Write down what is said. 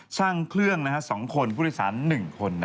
เครื่อง๒คนผู้โดยสาร๑คน